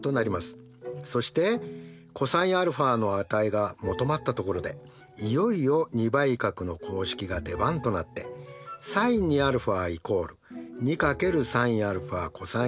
そしてｃｏｓαの値が求まったところでいよいよ２倍角の公式が出番となってｓｉｎ２α＝２ｓｉｎαｃｏｓαに代入します。